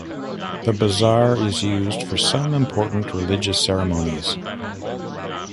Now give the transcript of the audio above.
The bazaar is used for some important religious ceremonies.